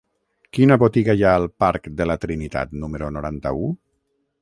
Quina botiga hi ha al parc de la Trinitat número noranta-u?